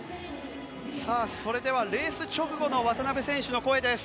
それではレース直後の渡辺選手の声です。